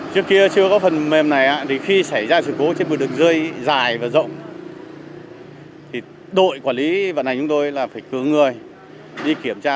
trước kia chưa có phần mềm này ạ thì khi xảy ra sự cố trên vườn đường rơi dài và rộng thì đội quản lý vận hành chúng tôi là phải cứu người đi kiểm tra